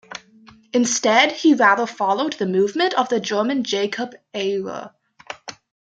Instead, he rather followed the movement of the German Jakob Ayrer.